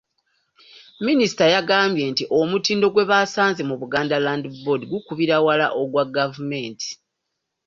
Minisita yagambye nti omutindo gwe baasanze mu Buganda Land Board gukubira wala ogwa gavumenti.